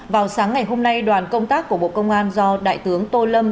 vào sáng ngày hôm nay đoàn công tác của bộ công an do đại tướng tô lâm